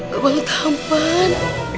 gue baru tampan